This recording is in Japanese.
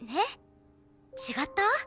違った？